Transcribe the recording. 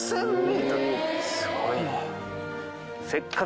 すごいね。